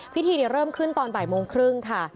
พิธีเริ่มขึ้นตอนบ่ายโมงครึ่งค่ะ